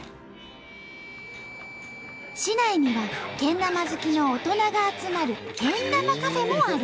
市内にはけん玉好きの大人が集まるけん玉カフェもある。